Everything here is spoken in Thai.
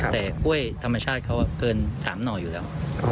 แต่กล้วยธรรมชาติเขาเกิน๓หน่ออยู่แล้ว